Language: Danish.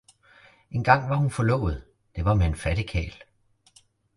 Engang var hun forlovet, det var med en fattig karl.